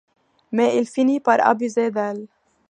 Mais il finit par abuser d'elle.